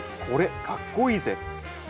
「これ、かっこイイぜ！」。